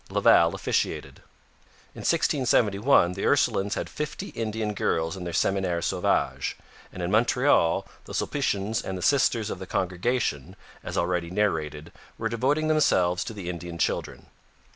Laval officiated. In 1671 the Ursulines had fifty Indian girls in their Seminaire Sauvage, and in Montreal the Sulpicians and the Sisters of the Congregation, as already narrated, were devoting themselves to the Indian children.